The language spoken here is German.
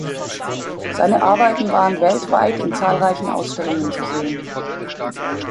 Seine Arbeiten waren weltweit in zahlreichen Ausstellung zu sehen.